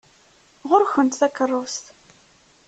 Ɣur-kent takeṛṛust!